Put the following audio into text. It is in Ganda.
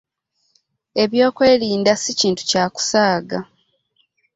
Ebyokwerinda si kintu kya kusaaga.